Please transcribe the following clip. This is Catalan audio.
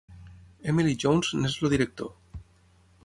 Emily Jones n'és el director.